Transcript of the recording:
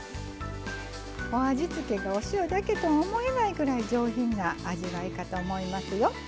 お味付けがお塩だけとは思えないぐらい上品な味わいかと思いますよ。